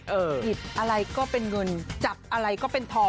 หยิบอะไรก็เป็นเงินจับอะไรก็เป็นทอง